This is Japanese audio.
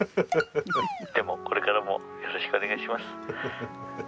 でもこれからもよろしくお願いします。